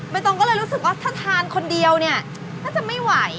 ตรงก็เลยรู้สึกว่าถ้าทานคนเดียวเนี่ยน่าจะไม่ไหว